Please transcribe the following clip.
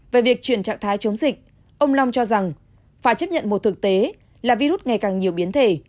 về việc chuyển trạng thái chống dịch ông long cho rằng phải chấp nhận một thực tế là virus ngày càng nhiều biến thể